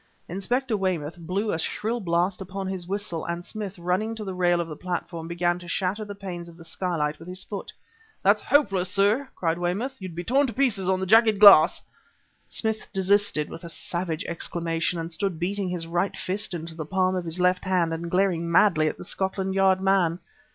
Inspector Weymouth blew a shrill blast upon his whistle, and Smith, running to the rail of the platform, began to shatter the panes of the skylight with his foot. "That's hopeless, sir!" cried Weymouth. "You'd be torn to pieces on the jagged glass." Smith desisted, with a savage exclamation, and stood beating his right fist into the palm of his left hand, and glaring madly at the Scotland Yard man.